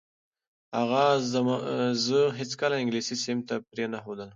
اغا زه هیڅکله انګلیسي صنف ته پرې نه ښودلم.